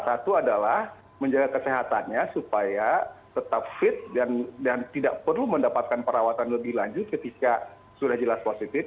satu adalah menjaga kesehatannya supaya tetap fit dan tidak perlu mendapatkan perawatan lebih lanjut ketika sudah jelas positif